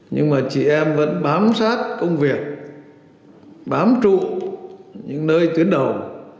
nhưng mà chị em vẫn bám sát công việc bám trụ những nơi tuyến đầu